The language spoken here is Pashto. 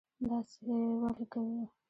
داسی ولې کوي